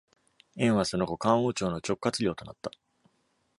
燕はその後、漢王朝の直轄領となった。